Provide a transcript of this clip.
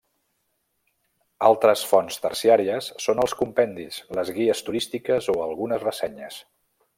Altres fonts terciàries són els compendis, les guies turístiques o algunes ressenyes.